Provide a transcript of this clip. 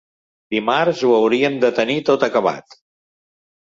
Dimarts ho hauríem de tenir tot acabat.